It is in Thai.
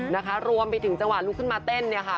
นะคะรวมไปถึงจังหวะลุกขึ้นมาเต้นเนี่ยค่ะ